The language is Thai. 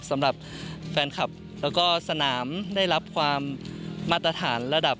สำหรับแฟนคลับแล้วก็สนามได้รับความมาตรฐานระดับ